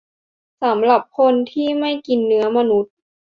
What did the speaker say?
สำหรับคนที่ไม่กินเนื้อมนุษย์